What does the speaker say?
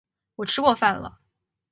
我吃过饭了